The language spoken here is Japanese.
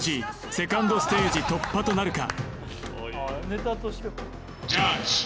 セカンドステージ突破となるか？